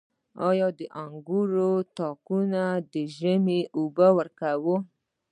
آیا د انګورو تاکونو ته ژمنۍ اوبه ورکړم؟